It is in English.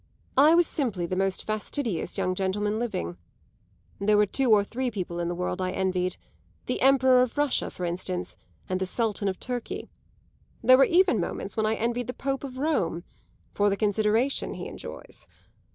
I was simply the most fastidious young gentleman living. There were two or three people in the world I envied the Emperor of Russia, for instance, and the Sultan of Turkey! There were even moments when I envied the Pope of Rome for the consideration he enjoys.